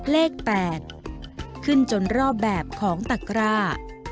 เลข๘ขึ้นจนรอบแบบของตะกร้า